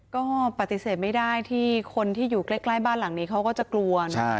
ก็ปฏิเสธไม่ได้ที่คนที่อยู่ใกล้บ้านหลังนี้เขาก็จะกลัว